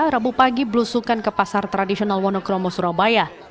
rabu pagi belusukan ke pasar tradisional wonokromo surabaya